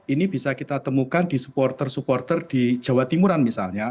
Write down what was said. ini bisa kita temukan di supporter supporter di jawa timuran misalnya